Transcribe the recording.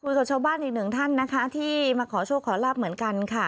กับชาวบ้านอีกหนึ่งท่านนะคะที่มาขอโชคขอลาบเหมือนกันค่ะ